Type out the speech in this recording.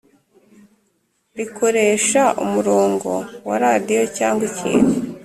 rikoresha umurongo wa radiyo cyangwa ikintu